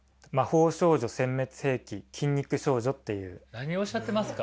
何をおっしゃってますか？